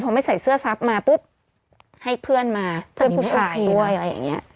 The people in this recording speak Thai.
พอไม่ใส่เสื้อซับมาปุ๊บให้เพื่อนมาเพื่อนผู้ชายด้วยอะไรอย่างเงี้ย